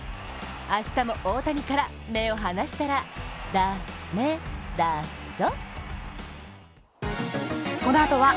明日も大谷から目を離したらだめだぞ。